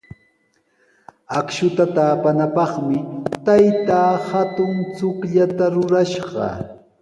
Akshuta taapanapaqmi taytaa hatun chukllata rurashqa.